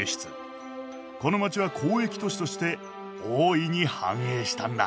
この街は交易都市として大いに繁栄したんだ。